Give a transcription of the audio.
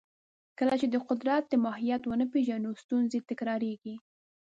کله چې د قدرت ماهیت ونه پېژنو، ستونزې تکراریږي.